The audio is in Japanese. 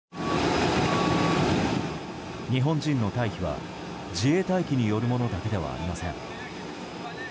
日本人の退避は自衛隊機によるものだけではありません。